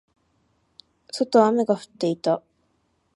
外は雨が降っていた。